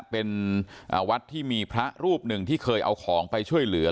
เป็นวัดที่มีพระรูปหนึ่งที่เคยเอาของไปช่วยเหลือ